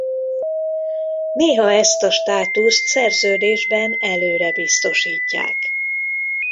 Néha ezt a státuszt szerződésben előre biztosítják.